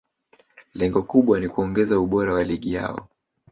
lengo kubwa ni kuongeza ubora wa ligi yao